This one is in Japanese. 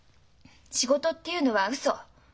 仕事っていうのはウソ。